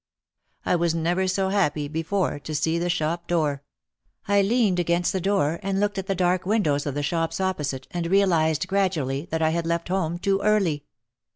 I was never so happy before to see the shop door. I leaned against the door and looked at the dark windows of the shops opposite and realised gradually that I had left home too early.